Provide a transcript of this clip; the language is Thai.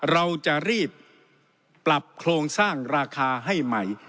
เราจะรีบปรับโครงสร้างราคาให้ใหม่